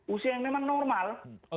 usia yang memang normal